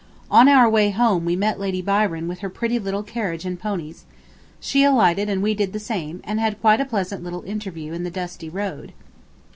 ... On our way [home] we met Lady Byron with her pretty little carriage and ponies. She alighted and we did the same, and had quite a pleasant little interview in the dusty road.